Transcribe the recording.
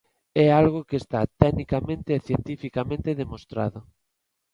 É algo que está tecnicamente e cientificamente demostrado.